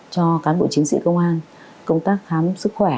cho cán bộ chiến sĩ công an công tác khám sức khỏe